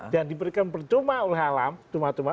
dan diberikan percuma oleh alam cuma cuma